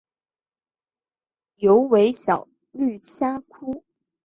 疣尾小绿虾蛄为虾蛄科小绿虾蛄属下的一个种。